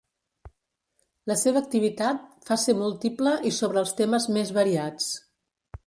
La seva activitat fa ser múltiple i sobre els temes més variats.